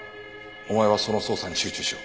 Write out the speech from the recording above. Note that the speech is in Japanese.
お前はその捜査に集中しろ。